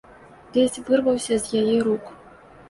Ледзь вырваўся з яе рук.